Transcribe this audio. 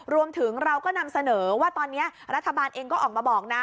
รวมถึงเราก็นำเสนอว่าตอนนี้รัฐบาลเองก็ออกมาบอกนะ